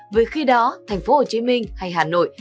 với khi đó thành phố hồ chí minh hay hà nội